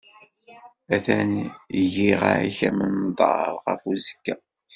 Atan giɣ-ak amenḍar ɣer uzekka.